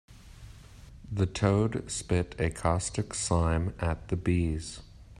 The toad spit a caustic slime at the bees.